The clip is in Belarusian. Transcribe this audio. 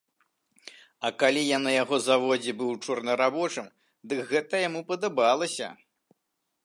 А калі я на яго заводзе быў чорнарабочым, дык гэта яму падабалася!